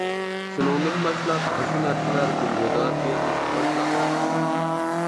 شۇنىڭدىن باشلاپ ئاشۇ نەرسىلەر جۇڭگودا تېرىلىشقا باشلىغان.